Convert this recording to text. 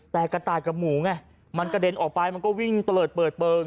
แต่กระต่ายกับหมูไงมันกระเด็นออกไปมันก็วิ่งตะเลิดเปิดเปลือง